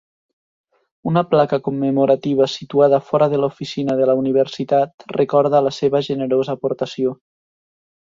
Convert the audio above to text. Una placa commemorativa situada fora de l'oficina de la universitat recorda la seva generosa aportació.